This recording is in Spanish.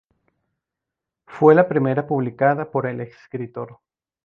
Fue la primera publicada por el escritor.